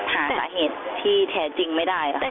หาสาเหตุที่แท้จริงไม่ได้ค่ะ